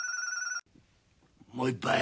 もう一杯！